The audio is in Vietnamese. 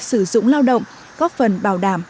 sử dụng lao động góp phần bảo đảm